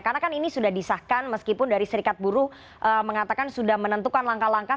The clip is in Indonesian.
karena kan ini sudah disahkan meskipun dari serikat buruh mengatakan sudah menentukan langkah langkah